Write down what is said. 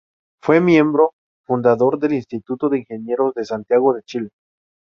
Fue miembro fundador del Instituto de Ingenieros de Santiago de Chile.